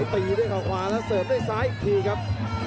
ตีด้วยเขาขวาแล้วเสริมด้วยซ้ายอีกทีครับ